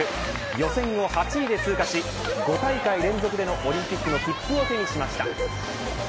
予選を８位で通過し５大会連続でのオリンピックの切符を手にしました。